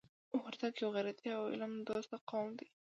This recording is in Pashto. وردګ یو غیرتي او علم دوسته قوم دی.